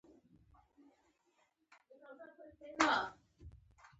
همېشه دپاره سترګې پټې کړې ۔